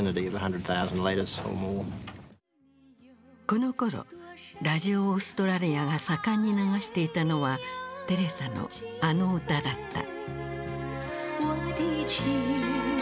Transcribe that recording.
このころラジオ・オーストラリアが盛んに流していたのはテレサのあの歌だった。